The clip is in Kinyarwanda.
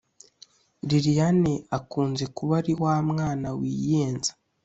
Liliane akunze kuba ari wa mwana wiyenza